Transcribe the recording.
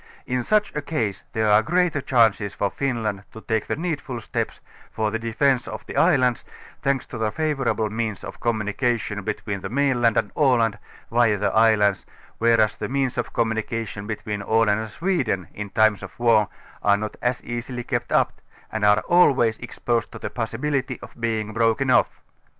In such a caise there are greater chances for Finland to take the needful steps for'the defence of the islands, thanks to the favourable means of communi oation between the mainland and Aland, via the islands, whereas the means of communication between Aland and Sweden in times of war are not as easily kept uj), and are always exposed to the possibility of being broken off.